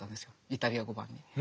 イタリア語版の。